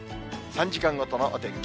３時間ごとのお天気。